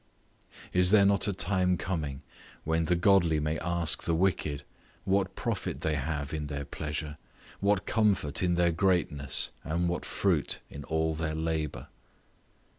Is there not a time coming when the godly may ask the wicked, what profit they have in their pleasure? what comfort in their greatness? and what fruit in all their labour?